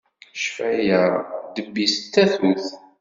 Ccfaya ddebb-is d tatut.